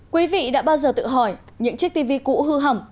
quý vị đã bao giờ tự hỏi những chiếc tv cũ hư hỏng